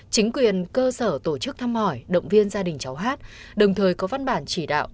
chính quyền cơ sở tổ chức thăm hỏi động viên gia đình cháu hát đồng thời có văn bản chỉ đạo